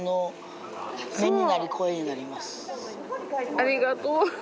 ありがとう。